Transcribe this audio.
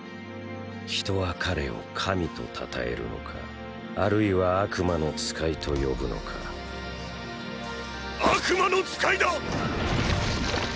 人は彼を神と称えるのかあるいは悪魔の使いと呼ぶのか悪魔の使いだ！